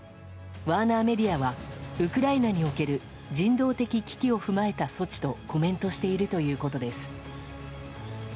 ワーナーメディアはウクライナにおける人道的危機を踏まえた措置とコメントしているということです。